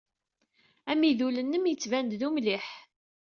Amidul-nnem yettban-d d umliḥ.